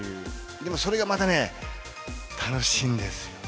でもそれがまたね、楽しいんですよ。